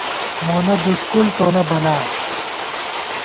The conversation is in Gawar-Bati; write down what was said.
مونہ دُݭکُل تونہ بلا